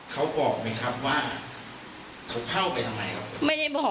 เขาบอกมั้ยครับว่าเขาเข้าไปทำไมครับ